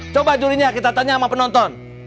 coba jurinya kita tanya sama penonton